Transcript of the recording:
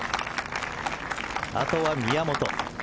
あとは宮本。